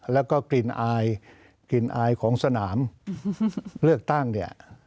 แล้วก็กลิ่นอายกลิ่นอายของสนามเลือกตั้งเนี่ย